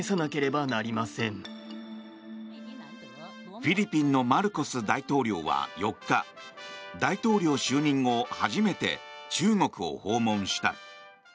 フィリピンのマルコス大統領は４日大統領就任後初めて中国を訪問した。